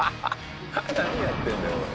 何やってるんだよこれ。